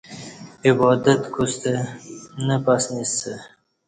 عبادت کوستہ نہ پسنیسہ